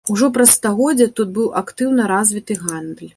Ужо праз стагоддзе тут быў актыўна развіты гандаль.